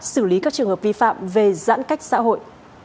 xử lý các trường hợp vi phạm về giãn cách xã hội